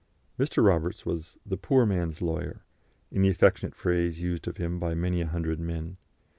Mr. Roberts was "the poor man's lawyer," in the affectionate phrase used of him by many a hundred men.